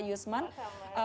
terima kasih mbak lisa yusman